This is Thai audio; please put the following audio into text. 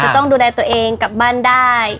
ต้องดูแลตัวเองกลับบ้านได้